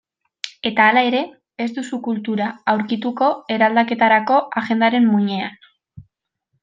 Eta hala ere, ez duzu kultura aurkituko eraldaketarako agendaren muinean.